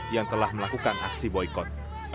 yang telah melakukan aksi boykot